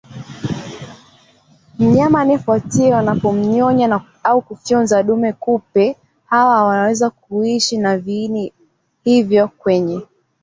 mnyama anayefuatia wanapomnyonya au kufyonza damu Kupe hawa wanaweza kuishi na viini hivyo kwenye